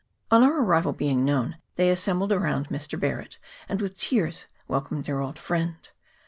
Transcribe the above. On our arrival being known, they assembled around Mr. Barret, and with tears wel comed their old friend.